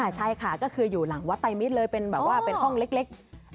ใช่ค่ะก็คืออยู่หลังวัดไตมิตรเลยเป็นห้องเล็ก